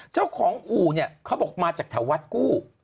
เจ้าของอู่เนี่ยเขาบอกมาจากแถววัดกู้